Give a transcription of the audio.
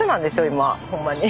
今ほんまに。